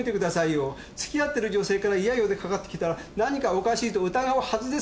つきあってる女性から「１８４」で掛かってきたら何かおかしいと疑うはずですよ。